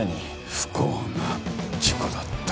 不幸な事故だった。